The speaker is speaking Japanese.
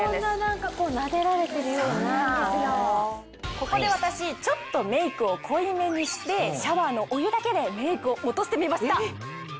ここで私ちょっとメイクを濃いめにしてシャワーのお湯だけでメイクを落としてみました。